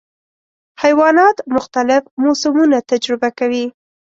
حیوانات مختلف موسمونه تجربه کوي.